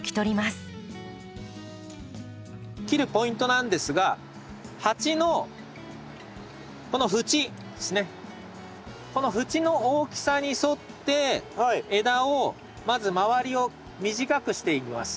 切るポイントなんですが鉢のこの縁ですねこの縁の大きさに沿って枝をまず周りを短くしていきます。